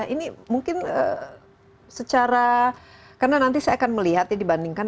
ini mungkin secara karena nanti saya akan melihat ya dibandingkan